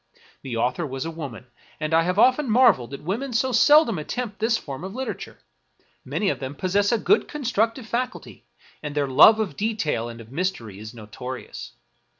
The author was a woman, and I have often marveled that women so sel dom attempt this form of literature; many of them pos sess a good constructive faculty, and their love of detail and of mystery is notorious.